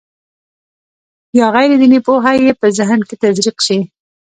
یا غیر دیني پوهه یې په ذهن کې تزریق شي.